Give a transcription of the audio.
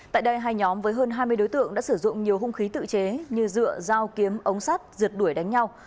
tại đây hai nhóm với hơn hai mươi đối tượng đã sử dụng nhiều hung khí tự chế như dựa dao kiếm ống sắt rượt đuổi đánh nhau